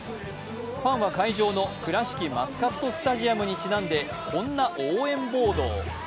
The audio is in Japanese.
ファンは会場の倉敷マスカットスタジアムにちなんで、こんな応援ボードを。